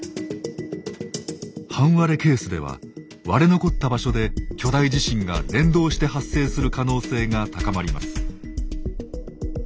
半割れケースでは割れ残った場所で巨大地震が連動して発生する可能性が高まります。